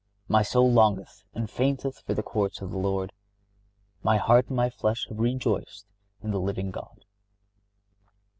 My soul longeth and fainteth for the courts of the Lord. My heart and my flesh have rejoiced in the living God."